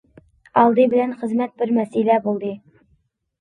ئالدى بىلەن خىزمەت بىر مەسىلە بولدى.